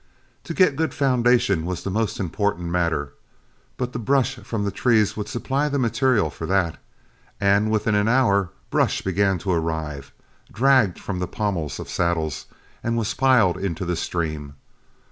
To get a good foundation was the most important matter, but the brush from the trees would supply the material for that; and within an hour, brush began to arrive, dragged from the pommels of saddles, and was piled into the stream.